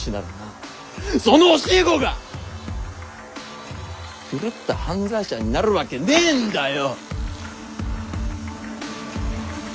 その教え子が狂った犯罪者になるわけねえんだよ。